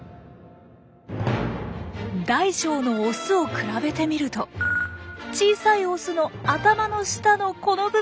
大小のオスを比べてみると小さいオスの頭の下のこの部分がつるつるしています。